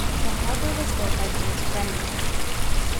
The harbour was built by James Bremner.